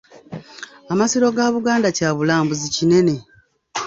Amasiro ga Buganda kya bulambuzi kinene.